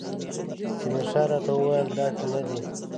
تیمورشاه راته وویل دا ښه نه دی.